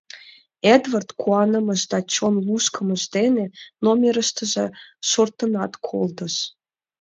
Эдвард куанымыж да чон лушкымыж дене номерыштыже шортынат колтыш.